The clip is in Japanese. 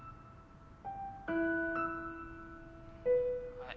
はい。